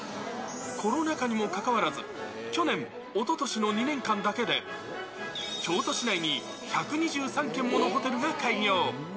コロナ禍にもかかわらず、去年、おととしの２年間だけで、京都市内に１２３軒ものホテルが開業。